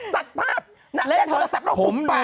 ตัดภาพเล่นโทรศัพท์แล้วหุบไป